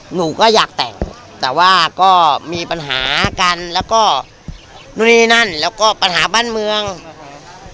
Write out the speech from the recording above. หนูก็อยากแต่งแต่ว่าก็มีปัญหากันแล้วก็นู่นนี่นั่นแล้วก็ปัญหาบ้านเมืองอืม